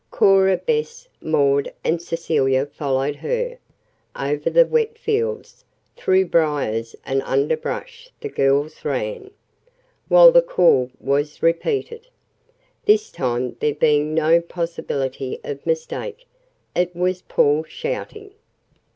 Cora, Bess, Maud and Cecilia followed her. Over the wet fields, through briars and underbrush the girls ran, while the call was repeated; this time there being no possibility of mistake it was Paul shouting.